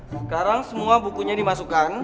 sekarang semua bukunya dimasukkan